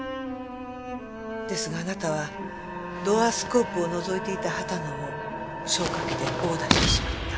ですがあなたはドアスコープをのぞいていた秦野を消火器で殴打してしまった。